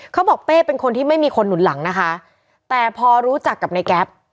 เป้เป็นคนที่ไม่มีคนหนุนหลังนะคะแต่พอรู้จักกับในแก๊ป